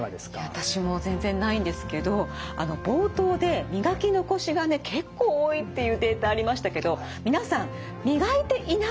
私も全然ないんですけど冒頭で磨き残しがね結構多いっていうデータありましたけど皆さん磨いていないわけではないんです。